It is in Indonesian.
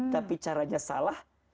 tapi caranya salah